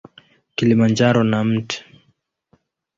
Kilimanjaro na Mt.